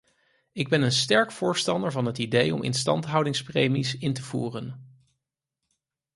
Ik ben een sterk voorstander van het idee om instandhoudingspremies in te voeren.